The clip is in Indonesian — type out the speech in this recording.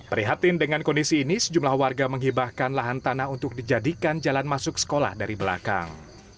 prihatin dengan kondisi ini sejumlah warga menghibahkan lahan tanah untuk dijadikan jalan masuk sekolah dari belakang